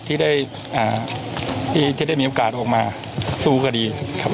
ที่ได้มีโอกาสออกมาสู้คดีครับ